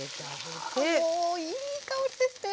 もういい香りですね。